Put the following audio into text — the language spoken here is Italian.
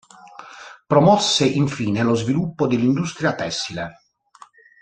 Promosse infine lo sviluppo dell'industria tessile.